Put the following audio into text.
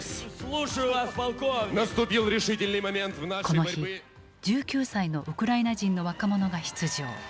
この日１９歳のウクライナ人の若者が出場。